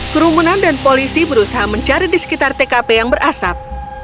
kerumunan dan polisi berusaha mencari di sekitar tkp yang berasap